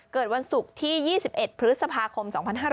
เกิดวันศุกร์ที่๒๑พฤษภาคม๒๕๒๕